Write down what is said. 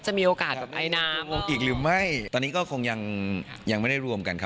มีโอกาสแบบไอน้ำอีกหรือไม่ตอนนี้ก็คงยังยังไม่ได้รวมกันครับ